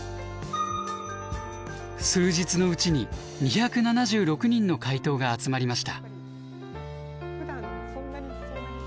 数日のうちに２７６人の回答が集まりました。